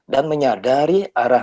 dan menyadari arah